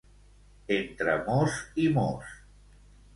Entre mos i mos.